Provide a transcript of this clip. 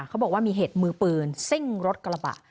เขาบอกว่ามีเหตุมือปืนซิ่งรถกระบะ